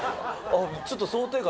ちょっと想定外。